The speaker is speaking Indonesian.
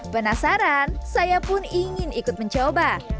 penasaran saya pun ingin ikut mencoba